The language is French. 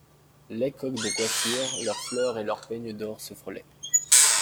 Les coques des coiffures, leurs fleurs et leurs peignes d'or se frôlaient.